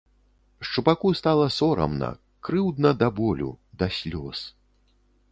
Шчупаку стала сорамна, крыўдна да болю, да слёз.